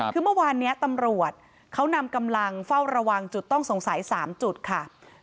คือเมื่อวานนี้ตำรวจเขานำกำลังเฝ้าระวังจุดต้องสงสัย๓จุดค่ะ